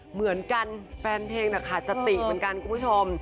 เหมือนกันแฟนเพลงขาดสติเหมือนกันคุณผู้ชม